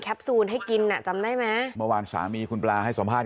ซูลให้กินน่ะจำได้ไหมเมื่อวานสามีคุณปลาให้สัมภาษณ